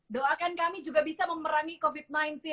doakan kami juga bisa memerangi covid sembilan belas